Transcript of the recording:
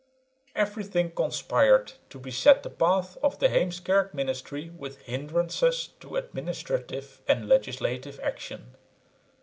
Everything conspired to beset the path of the Heemskerk ministry with hindrances to administrative or legislative action.